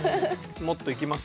もっといきます？